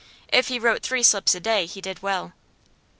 If he wrote three slips a day he did well.